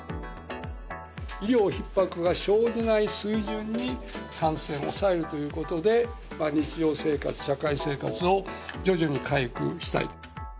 医療ひっ迫が生じない水準に感染を抑えるということで、日常生活、社会生活を徐々に回復したい。